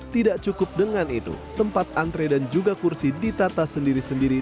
tidak cukup dengan itu tempat antre dan juga kursi ditata sendiri sendiri